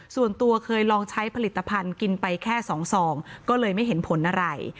ส่วนตัวเคยลองใช้ผลิตภัณฑ์กินไปแค่๒ซองก็เลยไม่เห็นผลอะไร